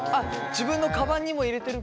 自分のカバンにも入れてるけど。